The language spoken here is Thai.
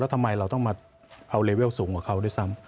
ทำไมเราต้องมาเอาเลเวลสูงกว่าเขาด้วยซ้ำ